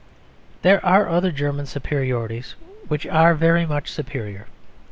There are other German superiorities which are very much superior.